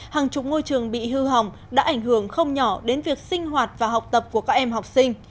hàng chục ngôi trường bị hư hỏng đã ảnh hưởng không nhỏ đến việc sinh hoạt và học tập của các em học sinh